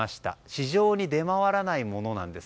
市場に出回らないものなんです。